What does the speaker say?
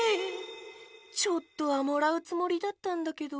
ちょっとはもらうつもりだったんだけど。